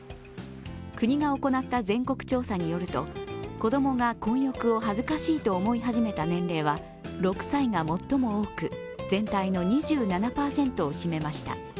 国が行った全国調査によると、子供が混浴を恥ずかしいと思い始めた年齢は６歳が最も多く、全体の２７％を占めました。